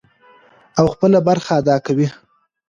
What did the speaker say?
او خپله برخه ادا کوي.